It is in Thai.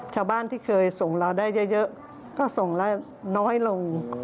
ชาวบ้านที่เคยส่งเราได้เยอะก็ส่งละน้อยลง